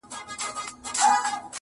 ما دي دغه ورځ په دوو سترګو لیدله -